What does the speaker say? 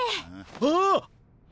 あっ！